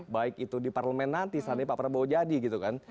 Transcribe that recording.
baik itu di parlemen nanti seandainya pak prabowo jadi gitu kan